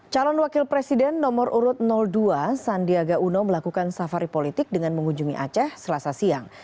calon wakil presiden nomor urut dua sandiaga uno melakukan safari politik dengan mengunjungi aceh selasa siang